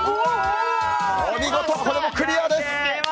お見事、これもクリアです！